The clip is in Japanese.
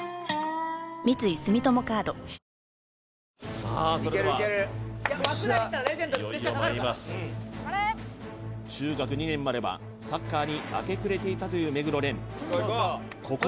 さあそれではいよいよまいります中学２年まではサッカーに明け暮れていたという目黒蓮・いこういこう